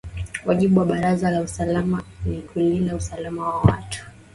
wajibu wa baraza la usalama ni kulinda usalama wa watu